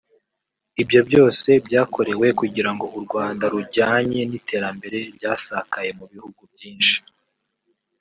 Ibyo byose byakorewe kugira ngo u Rwanda rujyanye n’iterambere ryasakaye mu bihugu byinshi